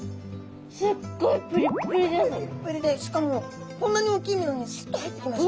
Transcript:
プリップリでしかもこんなに大きいのにすっと入ってきますね。